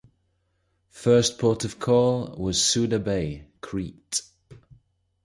First port of call was Suda Bay, Crete.